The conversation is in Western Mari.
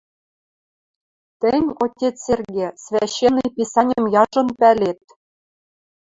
– Тӹнь, отец Серге, священный писаньым яжон пӓлет.